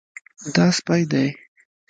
دا سپی دی